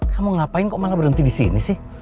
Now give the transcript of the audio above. kamu ngapain kok malah berhenti di sini sih